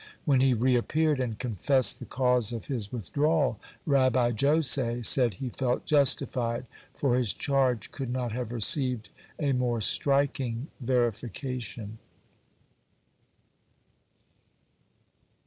When he reappeared, and confessed the cause of his withdrawal, Rabbi Jose said he felt justified, for his charge could not have received a more striking verification.